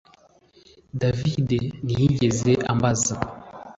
David ntiyigeze ambaza